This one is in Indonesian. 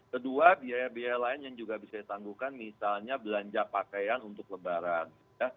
kedua biaya biaya lain yang juga bisa ditangguhkan misalnya belanja pakaian untuk lebaran